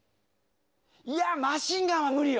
いや、マシンガンは無理よ。